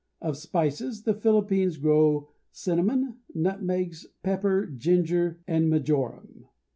Of spices the Philippines grow cinnamon, nutmegs, pepper, ginger, and majoram.